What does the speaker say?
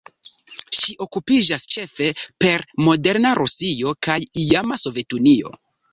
Ŝi okupiĝas ĉefe per moderna Rusio kaj iama Sovetunio.